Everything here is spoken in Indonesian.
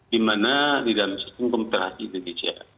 dimana di dalam sistem komputer haji indonesia